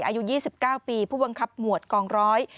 อายุ๒๙ปีผู้บังคับหมวดกองร้อย